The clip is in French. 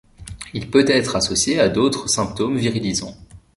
Il peut être associé à d'autres symptômes virilisants.